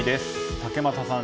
竹俣さん